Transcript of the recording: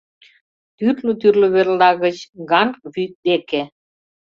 Тӱрлӧ-тӱрлӧ верла гыч Ганг вӱд деке